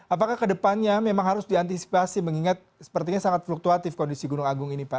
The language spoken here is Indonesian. apakah kedepannya memang harus diantisipasi mengingat sepertinya sangat fluktuatif kondisi gunung agung ini pak